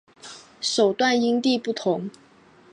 手段因地不同。